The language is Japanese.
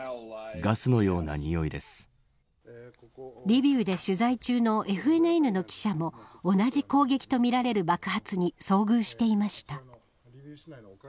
リビウで取材中のＦＮＮの記者も同じ攻撃とみられる爆発に遭遇していました。